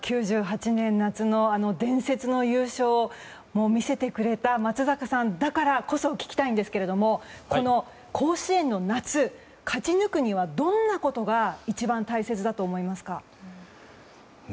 ９８年、夏の伝説の優勝を見せてくれた松坂さんだからこそ聞きたいんですけども甲子園の夏勝ち抜くには、どんなことが一番大切だと思いますか？